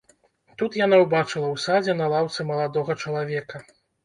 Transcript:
Тут яна ўбачыла ў садзе на лаўцы маладога чалавека.